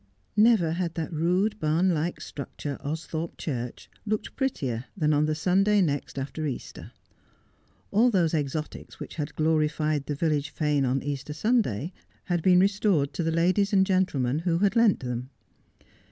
Never had that rude, barn like structure, Austhorpe Church, looked prettier than on the Sunday next after Easter. All those exotics which had glorified the village fane on Easter Sunday had been restored to the ladies and gentlemen who had lent them.